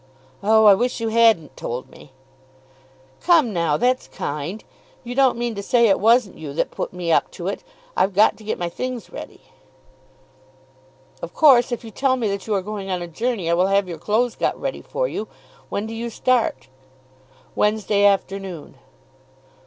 "Oh; I wish you hadn't told me." "Come now; that's kind. You don't mean to say it wasn't you that put me up to it. I've got to get my things ready." "Of course, if you tell me that you are going on a journey, I will have your clothes got ready for you. When do you start?" "Wednesday afternoon."